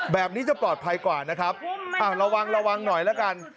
แบบนี้จะปลอดภัยกว่านะครับระวังระวังหน่อยละกัน